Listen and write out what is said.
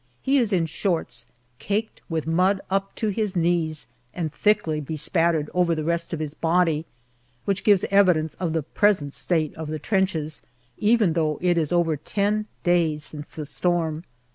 He is in shorts, caked with mud up to his knees and thickly bespattered over the rest of his body, which gives evidence of the present state of the trenches, even though it is over ten days since the storm.